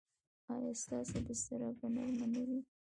ایا ستاسو بستره به نرمه نه وي؟